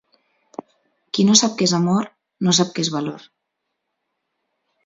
Qui no sap què és amor, no sap què és valor.